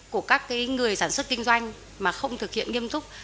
của các người sản xuất kinh doanh mà không thực hiện nghiêm túc